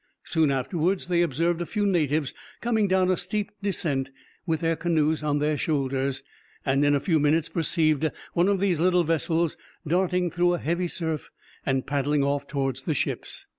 Soon afterwards they observed a few natives coming down a steep descent, with their canoes on their shoulders, and in a few minutes perceived one of these little vessels darting through a heavy surf and paddling off towards the ships.